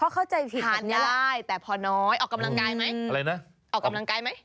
เค้าเจอเลยพอน้อยออกกำลังกายไหมออกกำลังกายไหม